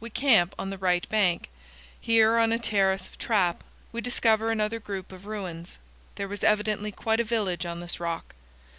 We camp on the right bank. Here, on a terrace of trap, we discover another group of ruins. There was evidently quite a village on this rock.